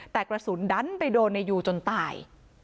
แต่กระสุนดันไปโดนในยูจนตาย